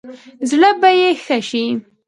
زړه به يې ښه شي.